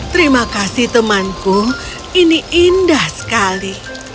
terima kasih temanku ini indah sekali